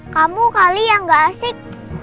kamu kali yang gak asik